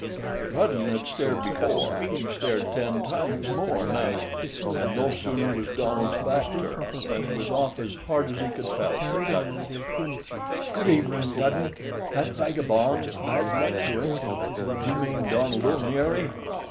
If Hudden had stared before, he stared ten times more now, and no sooner was Donald's back turned, than he was off as hard as he could pelt to Dudden's. "Good evening, Dudden. That vagabond, bad luck to him " "You mean Donald O'Neary?"